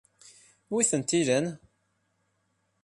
Wi tent-ilan?